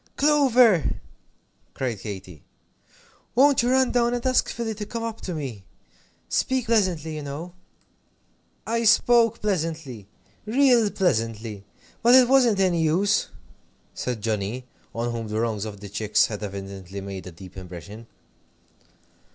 "Clover!" cried Katy, "won't you run down and ask Philly to come up to me? Speak pleasantly, you know!" "I spoke pleasantly real pleasantly, but it wasn't any use," said Johnnie, on whom the wrongs of the chicks had evidently made a deep impression.